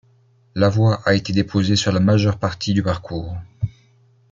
La voie a été déposée sur la majeure partie du parcours.